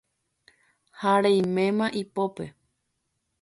ha reiméma ipópe